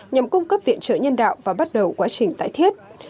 nhằm cung cấp viện trợ nhân đạo và bắt đầu quá trình tải thiết